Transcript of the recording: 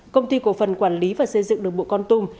công ty cổ phần quản lý và xây dựng đường bộ con tum